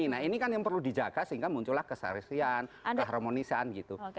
nah ini kan yang perlu dijaga sehingga muncullah kesarian keharmonisan gitu